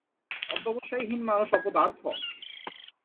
অধ্যবসায়হীন মানুষ অপদার্থ।